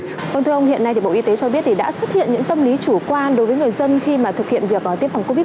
vâng thưa ông hiện nay bộ y tế cho biết đã xuất hiện những tâm lý chủ quan đối với người dân khi thực hiện việc tiêm phòng covid một mươi chín